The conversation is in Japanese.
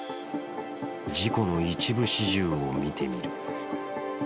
事故の一部始終を見てみる。